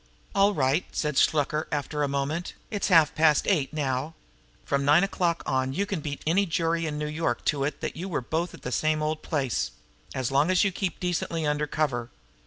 "All right," said Shluker, after a moment. "It's half past eight now. From nine o'clock on, you can beat any jury in New York to it that you were both at the same old place as long as you keep decently under cover.